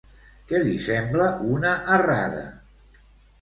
Què li sembla una errada?